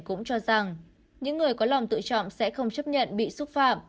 cũng cho rằng những người có lòng tự trọng sẽ không chấp nhận bị xúc phạm